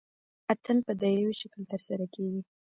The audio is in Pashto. اتن په دایروي شکل ترسره کیږي.